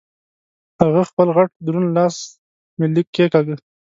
هغه خپل غټ دروند لاس مې لږه کېګاږه.